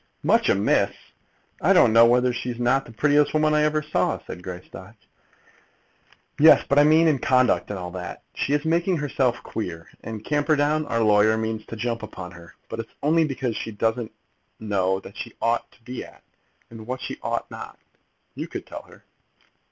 "Much amiss! I don't know whether she's not the prettiest woman I ever saw," said Greystock. "Yes; but I mean in conduct, and all that. She is making herself queer; and Camperdown, our lawyer, means to jump upon her; but it's only because she doesn't know what she ought to be at, and what she ought not. You could tell her."